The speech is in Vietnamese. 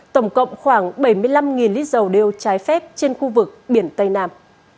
tổng cộng khoảng bảy mươi năm lít dầu đeo trái phép trên khu vực biển tây nam